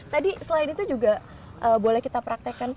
tadi selain itu juga boleh kita praktekkan